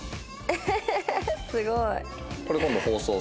ええすごい。